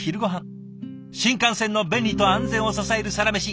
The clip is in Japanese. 新幹線の便利と安全を支えるサラメシ